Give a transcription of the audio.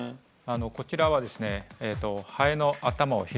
こちらはですね